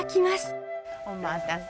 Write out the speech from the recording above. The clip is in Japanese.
お待たせ。